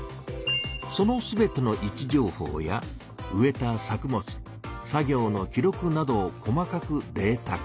その全ての位置情報や植えた作物作業の記録などを細かくデータ化。